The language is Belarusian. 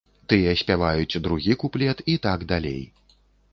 Тыя спяваюць другі куплет і так далей.